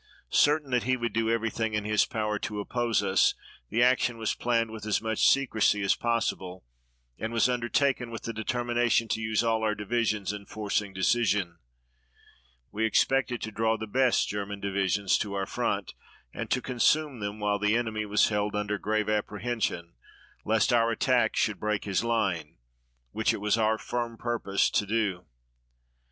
Certain that he would do everything in his power to oppose us, the action was planned with as much secrecy as possible, and was undertaken with the determination to use all our divisions in forcing decision. We expected to draw the best German divisions to our front and to consume them while the enemy was held under grave apprehension lest our attack should break his line, which it was our firm purpose to do."